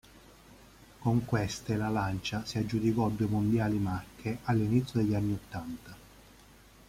Con queste la Lancia si aggiudicò due mondiali marche all'inizio degli anni ottanta.